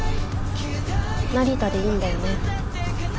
成田でいいんだよね？